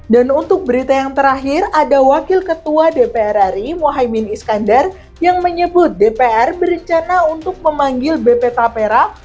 dan untuk berita yang terakhir ada wakil ketua dpr ri mohaimin iskandar yang menyebut dpr berencana untuk memanggil bp taperak